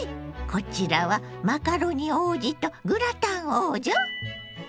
こちらはマカロニ王子とグラタン王女？